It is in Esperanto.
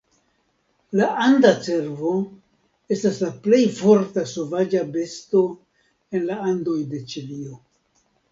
La anda cervo estas la plej forta sovaĝa besto en la Andoj de Ĉilio.